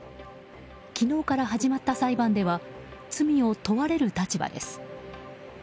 昨日から始まった裁判では罪を問われる立場です。